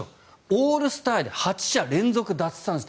オールスターで８者連続奪三振。